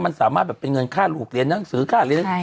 มันสามารถแบบเป็นเงินค่ารูปเรียนหนังสือค่าเรียน